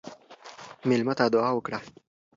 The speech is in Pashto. مېلمه ته دعا وکړه.